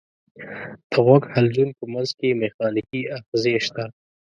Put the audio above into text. د غوږ حلزون په منځ کې مېخانیکي آخذې شته.